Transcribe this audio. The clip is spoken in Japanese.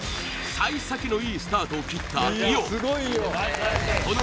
幸先のいいスタートを切ったイオン